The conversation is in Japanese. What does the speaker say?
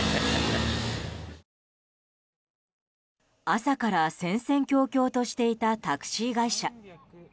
朝から戦々恐々としていたタクシー会社。